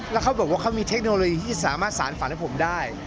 แล้วเขาบอกว่าเขามีเทคโนโลยีที่สามารถสารฝันให้ผมได้